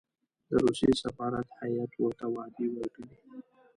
د روسیې سفارت هېئت ورته وعدې ورکړې.